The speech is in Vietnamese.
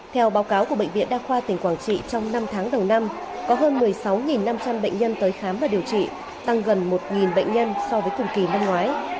theo báo cáo của bệnh viện đa khoa tỉnh quảng trị trong năm tháng đầu năm có hơn một mươi sáu năm trăm linh bệnh nhân tới khám và điều trị tăng gần một bệnh nhân so với cùng kỳ năm ngoái